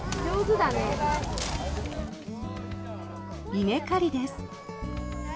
稲刈りです。